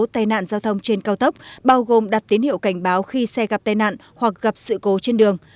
tai nạn giao thông trên cao tốc bao gồm đặt tín hiệu cảnh báo khi xe gặp tai nạn hoặc gặp sự cố trên đường